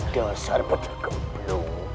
biasa buca gemblung